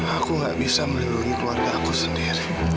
aku gak bisa melindungi keluarga aku sendiri